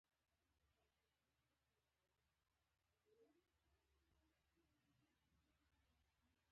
هو یقیناً د کیپټن ګوډنس بکسونه هڅه وکړه